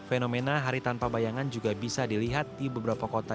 fenomena hari tanpa bayangan juga bisa dilihat di beberapa kota